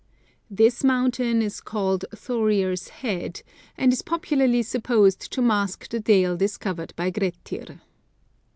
This mountain is called Thorir's Head, and is popularly supposed to mask the dale discovered by Grettir.